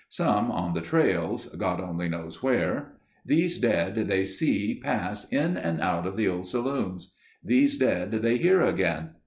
Some on the trails, God only knows where. These dead they see pass in and out of the old saloons. These dead they hear again.